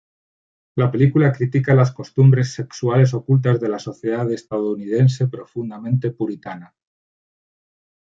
La película critica las costumbres sexuales ocultas de la sociedad estadounidense, profundamente puritana.